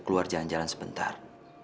keluar jalan jalan sebentar